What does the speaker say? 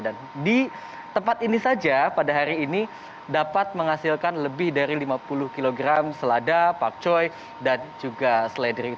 dan di tempat ini saja pada hari ini dapat menghasilkan lebih dari lima puluh kg selada pakcoy dan juga seledri